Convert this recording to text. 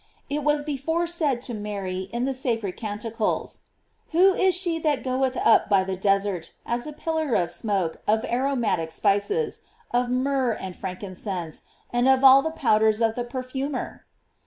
It was before said to M;iry in the sacred can ticles: "Who is she that goeth up by the des ert as a pillar of smoke of aromatical spices, of myrrh, and frankincense, and of all the powders of the perfumer?"!